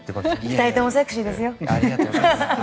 ２人ともセクシーですよ。